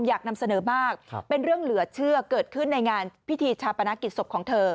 อยากนำเสนอมากเป็นเรื่องเหลือเชื่อเกิดขึ้นในงานพิธีชาปนกิจศพของเธอ